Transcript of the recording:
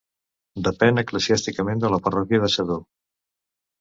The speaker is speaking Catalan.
Depèn eclesiàsticament de la parròquia de Sedó.